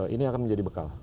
ini akan menjadi bekal